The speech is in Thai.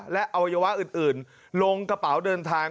และอวัยวะอื่นลงกระเป๋าเดินทาง